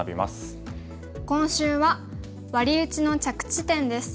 今週は「ワリウチの着地点」です。